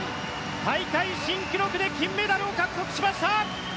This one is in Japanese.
大会新記録で金メダルを獲得しました！